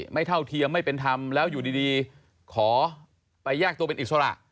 เท่าเทียมไม่เป็นธรรมแล้วอยู่ดีขอไปแยกตัวเป็นอิสระ